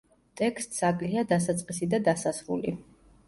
ტექსტს აკლია დასაწყისი და დასასრული.